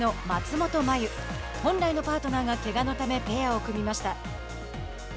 本来のパートナーが、けがのためペアを組みました。